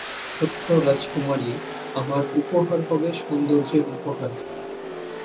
ছোট্ট রাজকুমারী, আমার উপহার হবে সৌন্দর্যের উপহার।